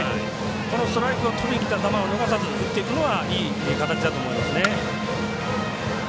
このストライクをとりにきた球を逃さず打っていくのがいい形だと思いますね。